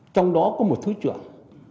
trong đó có một thứ trưởng